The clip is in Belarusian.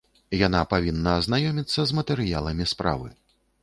Яна павінна азнаёміцца з матэрыяламі справы.